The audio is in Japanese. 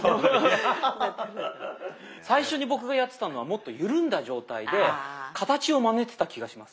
最初に僕がやってたのはもっとゆるんだ状態で形をまねてた気がします。